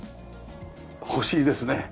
欲しいですね。